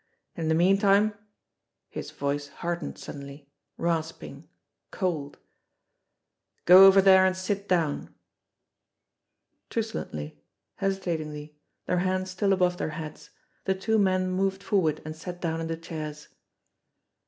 "In the meantime" his voice hardened suddenly, rasping, cold "go over there and sit down !" Truculently, hesitatingly, their hands still above their heads, the two men moved forward and sat down in the chairs.